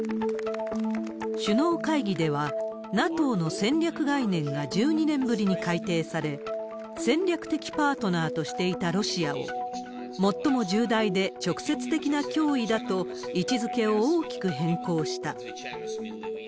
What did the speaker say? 首脳会議では、ＮＡＴＯの戦略概念が１２年ぶりに改定され、戦略的パートナーとしていたロシアを、最も重大で直接的な脅威だと位置づけを大きく変更した。